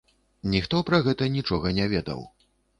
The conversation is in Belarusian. Ніхто пра гэта нічога не ведаў.